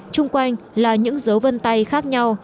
trung quanh là những dấu vân tay khác nhau